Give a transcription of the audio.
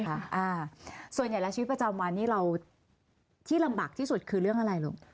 อ่าส่วนใหญ่แล้วชีวิตประจำวันนี้เราที่ลำบากที่สุดคือเรื่องอะไรลูก